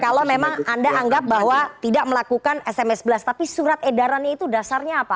kalau memang anda anggap bahwa tidak melakukan sms blas tapi surat edarannya itu dasarnya apa